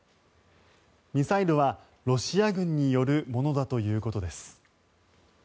ミサイルはロシア軍によるものだということです。